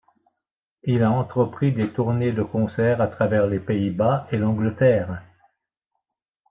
Il a entrepris des tournées de concerts à travers les Pays-Bas et l'Angleterre.